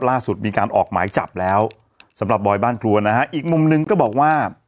ล่าสุดมีการออกหมายจับแล้วสำหรับบอยบ้านครัวนะฮะอีกมุมหนึ่งก็บอกว่า